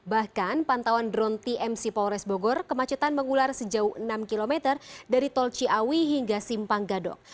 bahkan pantauan drone tmc polres bogor kemacetan mengular sejauh enam km dari tol ciawi hingga simpang gadok